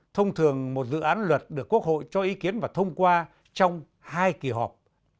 thông thường một dự án luật được quốc hội cho ý kiến và thông qua trong hai kỳ họp